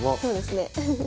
そうですね。